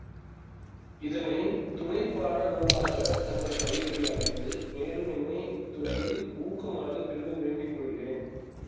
இதனைத் துணைப்பாட நூலாகத் தங்கள் பள்ளிகளில் அமைத்து மேலும் என்னை இத்துறையில் ஊக்குமாறு பெரிதும் வேண்டிக் கொள்கிறேன்.